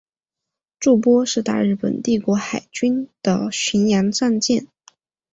筑波是大日本帝国海军的巡洋战舰。